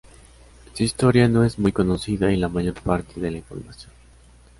Su historia no es muy conocida y la mayor parte de la información.